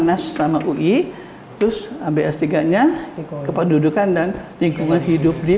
dinas sama ui terus abs tiga nya kependudukan dan lingkungan hidup di